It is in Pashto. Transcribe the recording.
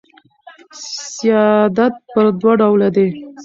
سیادت پر دوه ډوله دئ.